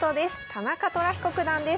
田中寅彦九段です。